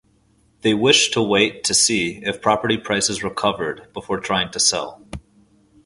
They wished to wait to see if property prices recovered before trying to sell.